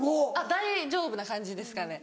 大丈夫な感じですかね。